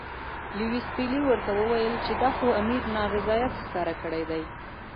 لیویس پیلي ورته وویل چې دا خو امیر نارضاییت ښکاره کړی دی.